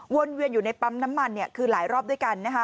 เวียนอยู่ในปั๊มน้ำมันคือหลายรอบด้วยกันนะคะ